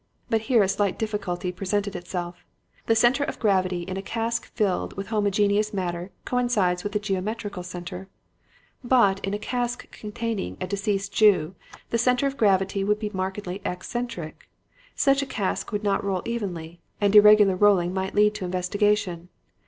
But here a slight difficulty presented itself. The center of gravity of a cask filled with homogeneous matter coincides with the geometrical center. But in a cask containing a deceased Jew, the center of gravity would be markedly ex centric. Such a cask would not roll evenly; and irregular rolling might lead to investigation.